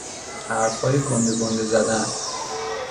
حرفهای گنده گنده زدن